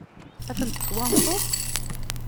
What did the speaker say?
Ad tent-twanseḍ?